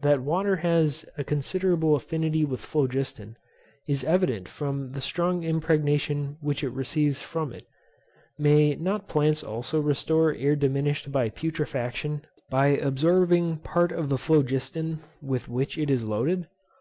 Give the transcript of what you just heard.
That water has a considerable affinity with phlogiston, is evident from the strong impregnation which it receives from it. May not plants also restore air diminished by putrefaction by absorbing part of the phlogiston with which it is loaded?